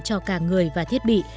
cho cả người và thiết bị